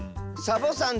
サボさん？